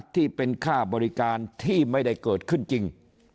ที่เป็นค่าบริการที่ไม่ได้เกิดขึ้นจริง